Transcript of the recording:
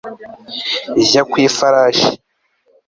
Jya ku ifarashi